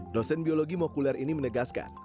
dosen biologi mokuler ini menegaskan